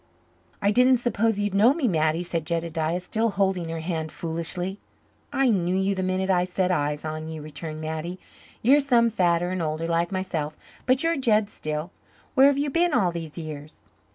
"I didn't suppose you'd know me, Mattie," said Jedediah, still holding her hand foolishly. "I knew you the minute I set eyes on you," returned Mattie. "You're some fatter and older like myself but you're Jed still. Where have you been all these years?"